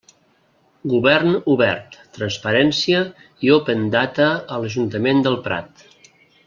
Govern obert, transparència i open data a l'Ajuntament del Prat.